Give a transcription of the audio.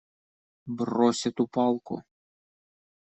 Брось эту палку!